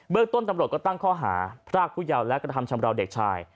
เบอร์กต้นตำรวจก็ตั้งข้อหาพระอาคุยาวและกระทำชำราวเด็กชาย